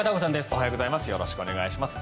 おはようございます。